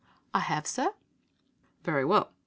"'I have, sir.' "'Very well.